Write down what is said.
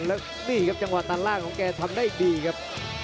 แล้วนี่ครับจังหวะตัดล่างของแกทำได้ดีครับ